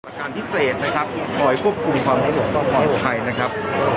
ประการพิเศษนะครับปล่อยควบคุมความให้หลวงต้องพอให้หัวใครนะครับ